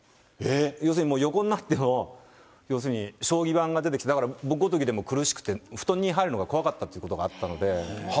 要するに、横になっても、要するに将棋盤が出てきて、だから、僕も苦しくて、布団に入るのが怖かったということがあったので。